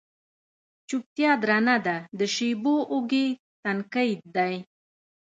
چوپتیا درنه ده د شېبو اوږې، تنکۍ دی